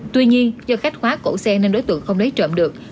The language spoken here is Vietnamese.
tuy nhiên do khách khóa cổ xe nên đối tượng không lấy trộm được